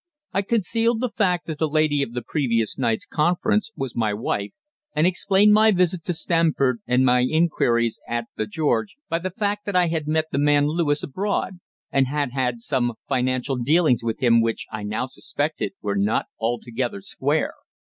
I concealed the fact that the lady of the previous night's conference was my wife, and explained my visit to Stamford, and my inquiries at the George, by the fact that I had met the man Lewis abroad, and had had some financial dealings with him, which, I now suspected, were not altogether square.